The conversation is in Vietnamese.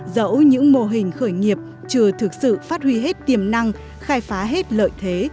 dẫu những mô hình khởi nghiệp chưa thực sự phát huy hết tiềm năng khai phá hết lợi thế